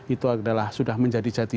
itu adalah sudah menjadi jati